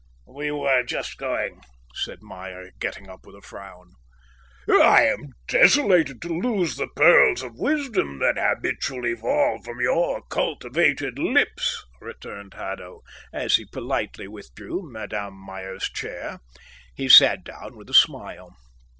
"We were just going," said Meyer, getting up with a frown. "I am desolated to lose the pearls of wisdom that habitually fall from your cultivated lips," returned Haddo, as he politely withdrew Madame Meyer's chair. He sat down with a smile.